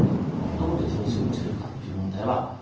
どこで調整をつけるかという問題はある。